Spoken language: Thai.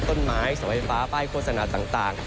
ต้นไม้สังเวลฟ้าไปด์สนาต่าง